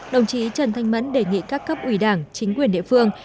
đồng chí trần thanh mẫn đề nghị các cấp ủy đảng chính quyền địa phương